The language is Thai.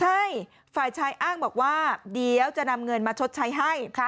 ใช่ฝ่ายชายอ้างบอกว่าเดี๋ยวจะนำเงินมาชดใช้ให้